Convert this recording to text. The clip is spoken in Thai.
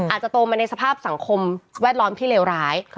อาจจะโตมาในสภาพสังคมแวดล้อมที่เลวร้าย